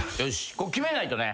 ここ決めないとね。